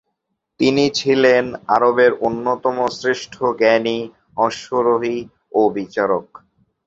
তিনি ছিলেন আরবের অন্যতম শ্রেষ্ঠ জ্ঞানী, অশ্বারোহী ও বিচারক।